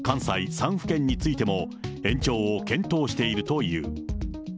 ３府県についても、延長を検討しているという。